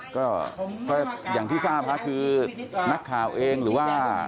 ก็อย่างที่ทราบค่ะคือนักข่าวเองหรือว่า